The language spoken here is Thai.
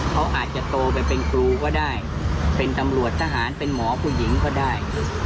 เขาอาจจะโตไปเป็นครูก็ได้เป็นตำรวจทหารเป็นหมอผู้หญิงก็ได้